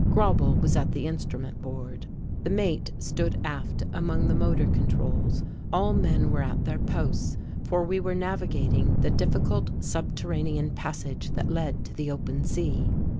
Grauble was at the instrument board. The mate stood aft among the motor controls; all men were at their posts, for we were navigating the difficult subterranean passage that led to the open sea.